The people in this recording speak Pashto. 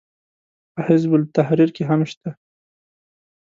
په حزب التحریر کې هم شته.